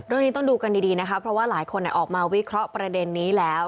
เรื่องนี้ต้องดูกันดีนะคะเพราะว่าหลายคนออกมาวิเคราะห์ประเด็นนี้แล้ว